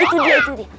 itu dia itu dia